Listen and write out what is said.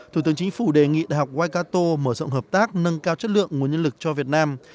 thủ tướng chính phủ đề nghị đại học wicato mở rộng hợp tác nâng cao chất lượng nguồn nhân lực cho việt nam